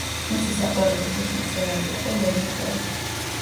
მისი საყვარელი რუსი მწერალი იყო ლერმონტოვი.